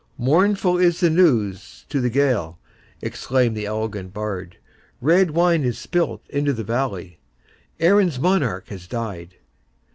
"Mournful is the news to the Gael!" exclaims the elegiac Bard! "Red wine is spilled into the valley! Erin's monarch has died!"